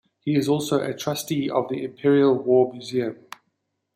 He is also a Trustee of the Imperial War Museum.